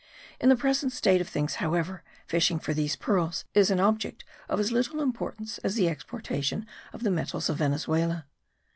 In the present state of things, however, fishing for these pearls is an object of as little importance as the exportation of the metals of Venezuela.